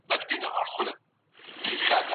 ایا بهرني سوداګر چارمغز ساتي؟